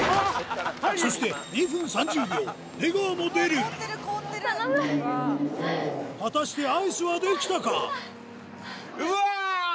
そして２分３０秒出川も出る果たしてアイスは出来たか？